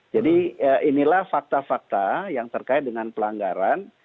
jadi inilah fakta fakta yang terkait dengan pelanggaran